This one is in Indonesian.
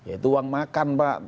itu uang makan pak